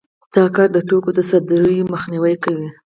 دا کار د توکو د صدور مخنیوی کوي